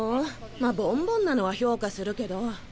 まあボンボンなのは評価するけど。